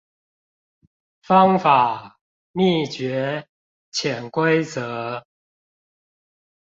方法、秘訣、潛規則